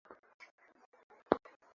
kunakuwepo Amani kwenye mkutano huo